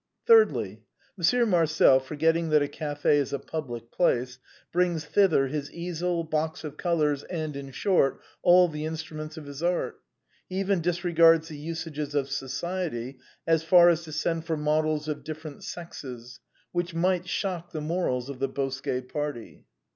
" Thirdly. Monsieur Marcel, forgetting that a café is a public place, brings thither his easel, box of colors, and, in short, all the instruments of his art. He even disregards A BOHEMIAN CAFE. 135 the usages of society so far as to send for models of dif ferent sexes ; which might shock the morals of the Bosquet party.